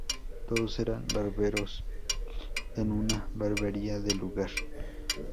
Todos eran barberos en una barbería del lugar.